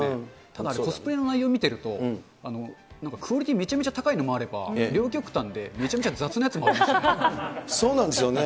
ただコスプレの内容見てると、なんかクオリティーがめちゃくちゃ高いやつもあれば、両極端でめちゃめちゃ雑なやつもありましたね。